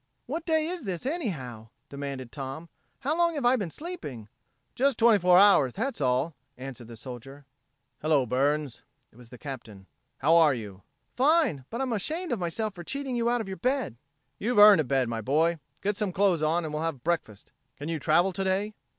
"What day is this, anyhow!" demanded Tom. "How long have I been sleeping?" "Just twenty four hours, that's all," answered the soldier. "Hello, Burns." It was the Captain. "How are you?" "Fine! But I'm ashamed of myself for cheating you out of your bed." "You've earned a bed, my boy. Get some clothes on and we'll have breakfast. Can you travel today?"